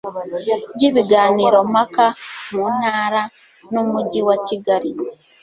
ry ibiganirompaka mu Ntara n Umujyi wa Kigali